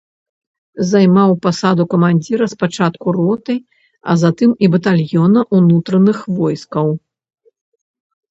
Займаў пасаду камандзіра спачатку роты, а затым і батальёна ўнутраных войскаў.